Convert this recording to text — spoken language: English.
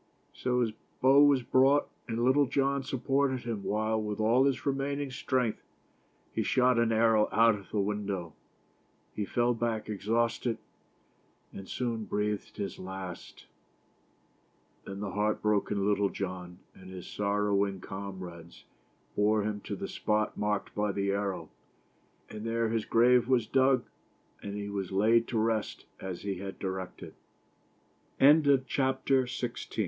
So his bow was brought, and Littlejohn supported him while, with all his remaining strength, he shot an arrow out of the window. He fell back exhaust ed, and soon breathed his last. Then the heart broken Little John, and his sorrowing com rades, bore him to the spot marked by the arrow ; and there his grave was dug, and he was laid to